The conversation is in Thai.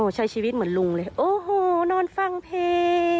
ใช้ชีวิตเหมือนลุงเลยโอ้โหนอนฟังเพลง